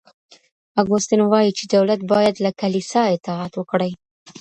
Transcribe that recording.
اګوستين وايي چي دولت بايد له کليسا اطاعت وکړي.